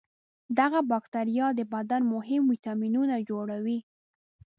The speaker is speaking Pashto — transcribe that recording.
دغه بکتریا د بدن مهم ویتامینونه جوړوي.